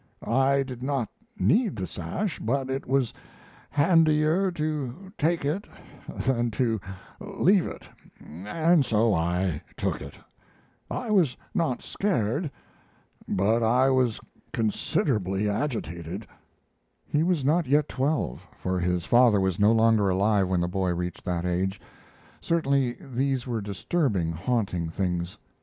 I did not need the sash, but it was handier to take it than to, leave it, and so I took it. I was not scared, but I was considerably agitated." He was not yet twelve, for his father was no longer alive when the boy reached that age. Certainly these were disturbing, haunting things.